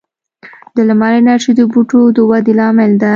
د لمر انرژي د بوټو د ودې لامل ده.